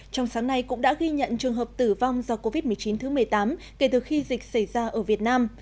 trong sáng nay cũng đã ghi nhận trường hợp tử vong do covid một mươi chín thứ một mươi tám kể từ khi dịch xảy ra ở việt nam